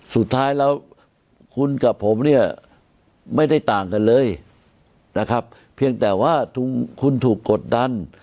สุดท้ายแล้วคุณกับผมเนี่ยไม่ได้ต่างกันเลยนะครับเพียงแต่ว่าคุณถูกกดดัน